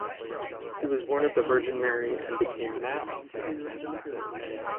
he was born of the Virgin Mary, and became man.